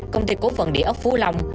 công ty cố phần địa ốc phú long